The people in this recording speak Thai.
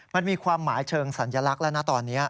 มันมีความหมายเชิงสัญลักษณ์แล้วนะตอนนี้